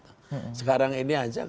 sekarang ini aja karena terjadinya berlalu